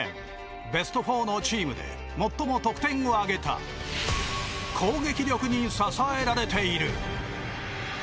ベスト４のチームで最も得点を挙げた攻撃力に支えられている。